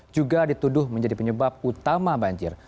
juga dituduh menjadi penyebab utama banjir